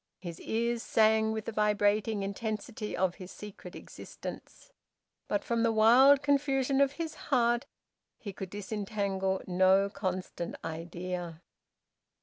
His ears sang with the vibrating intensity of his secret existence, but from the wild confusion of his heart he could disentangle no constant idea.